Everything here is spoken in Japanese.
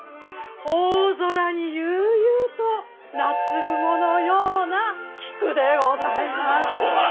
大空に悠々と夏雲のような菊でございます。